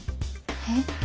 えっ？